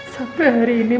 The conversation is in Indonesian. sampai hari ini